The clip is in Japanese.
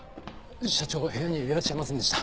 社長部屋にいらっしゃいませんでした。